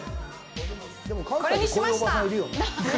これにしました！